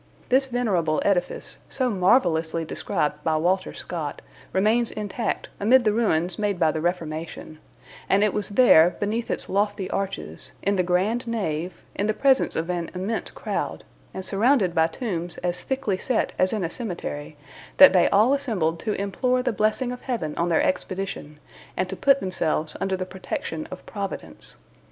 This venerable edifice, so marvelously described by Walter Scott, remains intact amid the ruins made by the Reformation; and it was there, beneath its lofty arches, in the grand nave, in the presence of an immense crowd, and surrounded by tombs as thickly set as in a cemetery, that they all assembled to implore the blessing of Heaven on their expedition, and to put themselves under the protection of Providence.